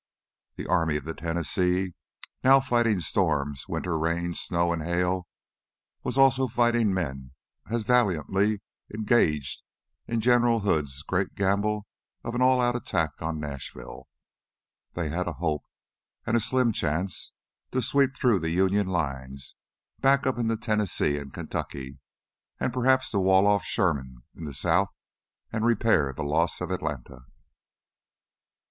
The Army of the Tennessee, now fighting storms, winter rains, snow and hail, was also fighting men as valiantly, engaged in General Hood's great gamble of an all out attack on Nashville. They had a hope and a slim chance to sweep through the Union lines back up into Tennessee and Kentucky, and perhaps to wall off Sherman in the south and repair the loss of Atlanta.